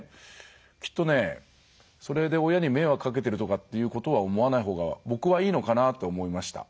きっとねそれで親に迷惑かけてるとかっていうことは思わないほうが僕はいいのかなって思いました。